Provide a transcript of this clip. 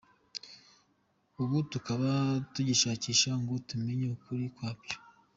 Ubu tukaba tugishakisha ngo tumenye ukuri kwabyo.